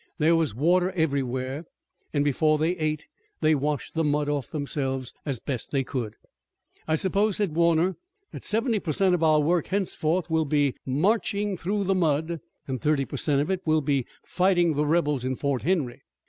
There was water everywhere, and before they ate they washed the mud off themselves as best they could. "I suppose," said Warner, "that seventy per cent of our work henceforth will be marching through the mud, and thirty per cent of it will be fighting the rebels in Fort Henry.